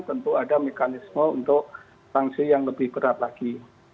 tentu ada mekanisme untuk sanksi yang lebih berat lagi